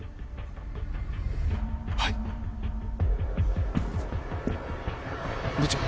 はい部長